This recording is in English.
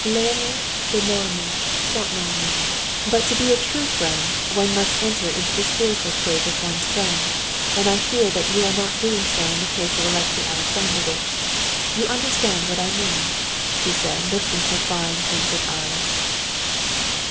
Les amis de nos amis sont nos amis. But to be a true friend, one must enter into the spiritual state of one's friend, and I fear that you are not doing so in the case of Alexey Alexandrovitch. You understand what I mean?" she said, lifting her fine pensive eyes.